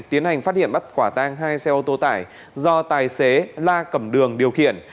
tiến hành phát hiện bắt quả tang hai xe ô tô tải do tài xế la cầm đường điều khiển